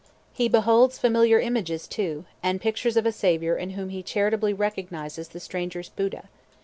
He beholds familiar images too, and pictures of a Saviour in whom he charitably recognizes the stranger's Buddha.